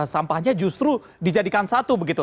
sampahnya justru dijadikan satu